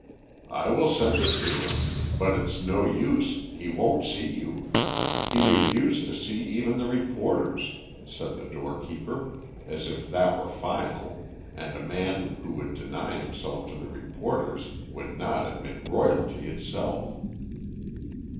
"I will send it in to him; but it's no use, he won't see you. He refused to see even the reporters," said the door keeper, as if that were final, and a man who would deny himself to the reporters would not admit Royalty itself.